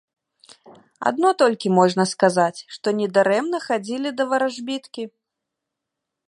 Адно толькі можна сказаць, што недарэмна хадзілі да варажбіткі.